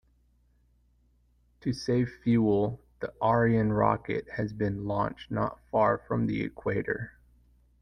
To save fuel, the Ariane rocket has been launched not far from the equator.